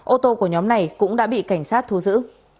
ô tô của nhóm này cũng đã bị cảnh sát thu giữ